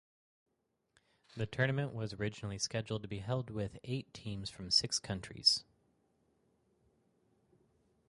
The tournament was originally scheduled to be held with eight teams from six countries.